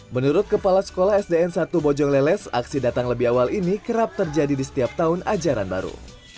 menurut kepala sekolah sdn satu bojong leles aksi datang lebih awal ini kerap terjadi di setiap tahun ajaran baru